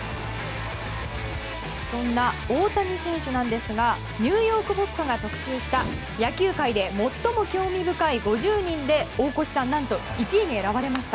そんな大谷選手なんですがニューヨーク・ポストが特集した野球界で最も興味深い５０人で大越さん何と１位に選ばれました。